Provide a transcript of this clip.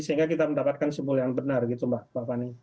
sehingga kita mendapatkan simbol yang benar gitu mbak fani